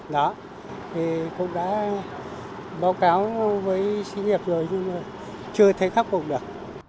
đó thì cũng đã báo cáo với sinh viên rồi nhưng mà chưa thấy khắc phục được